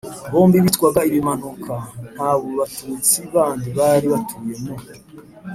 (bombi bitwaga ibimanuka), nta batutsi bandi bari batuye mu